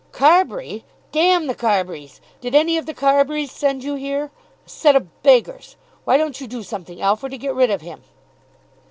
"Carbury! D the Carburys! Did any of the Carburys send you here? A set of beggars! Why don't you do something, Alfred, to get rid of him?"